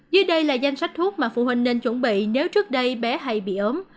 dưới đây là danh sách thuốc mà phụ huynh nên chuẩn bị nếu trước đây bé hay bị ốm